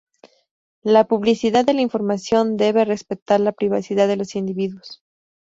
La publicidad de la información debe respetar la privacidad de los individuos.